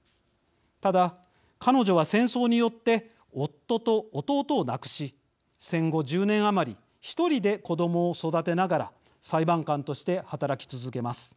ただ、彼女は戦争によって夫と弟を亡くし戦後１０年余り１人で子どもを育てながら裁判官として働き続けます。